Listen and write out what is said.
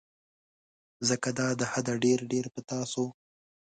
ځکه دا د حده ډیر ډیر به تاسو